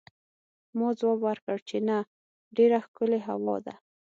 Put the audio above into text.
ما ځواب ورکړ چې نه، ډېره ښکلې هوا ده.